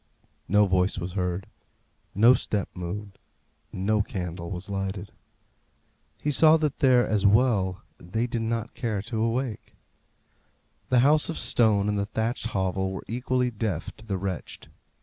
No voice was heard; no step moved; no candle was lighted. He saw that there, as well, they did not care to awake. The house of stone and the thatched hovel were equally deaf to the wretched.